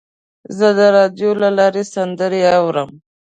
زه د راډیو له لارې سندرې اورم.